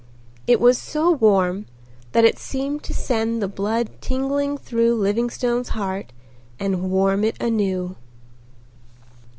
It was so warm that it seemed to send the blood tingling through Livingstone's heart and warm it anew.